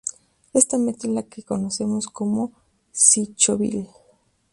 Esta mezcla es la que conocemos como psychobilly.